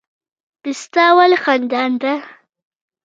پسته ولې خندان ده؟